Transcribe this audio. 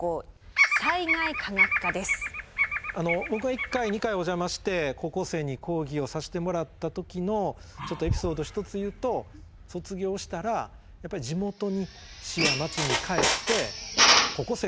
僕が１回２回お邪魔して高校生に講義をさせてもらった時のちょっとエピソードを１つ言うと卒業したらやっぱり地元に市や町に帰って高校生からしたら最近のね